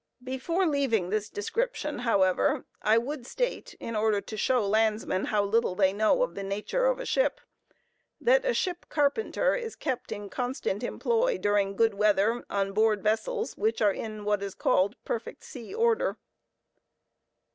Before leaving this description, however, I would state, in order to show landsmen how little they know of the nature of a ship, that a ship carpenter is kept in constant employ during good weather on board vessels which are in, what is called, perfect sea order.